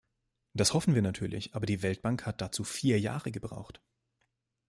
Das hoffen wir natürlich, aber die Weltbank hat dazu vier Jahre gebraucht.